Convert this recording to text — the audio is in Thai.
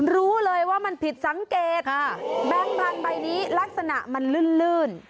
รู้เลยว่ามันผิดสังเกตแบงค์พันธุ์ใบนี้ลักษณะมันลื่น